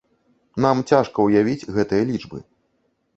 Нам цяжка ўявіць гэтыя лічбы.